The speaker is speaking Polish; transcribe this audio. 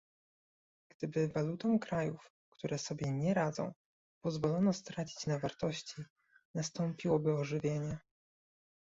Gdyby walutom krajów, które sobie nie radzą, pozwolono stracić na wartości, nastąpiłoby ożywienie